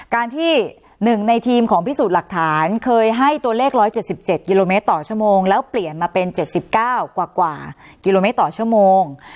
การที่๑ในทีมของพิสูจน์หลักฐานเคยให้ตัวเลข๑๗๗กิโลเมตรต่อชั่วโมงแล้วเปลี่ยนมาเป็น๗๙กว่ากิโลเมตรต่อชั่วโมง